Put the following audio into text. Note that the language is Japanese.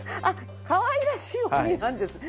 かわいらしい鬼なんですね。